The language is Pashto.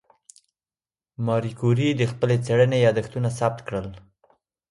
ماري کوري د خپلې څېړنې یادښتونه ثبت کړل.